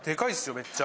めっちゃ。